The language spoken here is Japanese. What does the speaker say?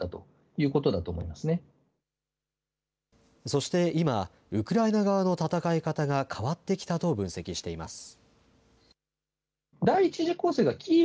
そして今、ウクライナ側の戦い方が変わってきたと分析しています。